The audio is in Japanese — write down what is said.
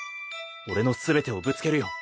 俺の全てをぶつけるよ。